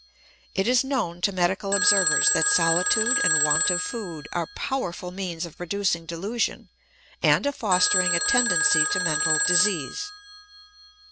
It is known to medical observers that solitude and want of food are powerful means of producing delusion and of fostering a tendency to mental disease.